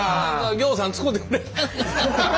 ぎょうさん使てくれる。